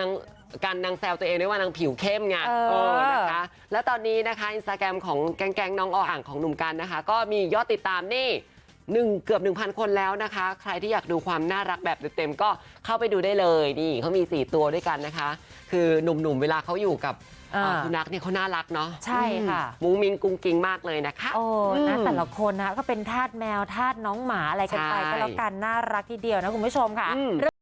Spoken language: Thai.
น้องอเล็กซ์ตัวนี้นี่ค่ะน้องอเล็กซ์ตัวนี้นี่ค่ะน้องอเล็กซ์ตัวนี้นี่ค่ะน้องอเล็กซ์ตัวนี้นี่ค่ะน้องอเล็กซ์ตัวนี้นี่ค่ะน้องอเล็กซ์ตัวนี้นี่ค่ะน้องอเล็กซ์ตัวนี้นี่ค่ะน้องอเล็กซ์ตัวนี้นี่ค่ะน้องอเล็กซ์ตัวนี้นี่ค่ะน้องอเล็กซ์ตัวนี้นี่ค่ะน้องอเล็กซ์ตัวนี้นี่ค่ะน